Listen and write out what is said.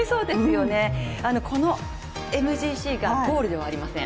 このＭＧＣがゴールではありません。